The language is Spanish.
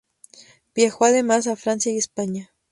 Viajó además, a Francia y España.